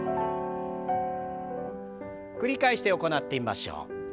繰り返して行ってみましょう。